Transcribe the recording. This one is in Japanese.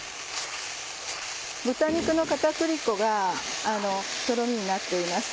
豚肉の片栗粉がとろみになっています。